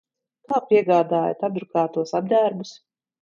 Kā piegādājat apdrukātos apģērbus?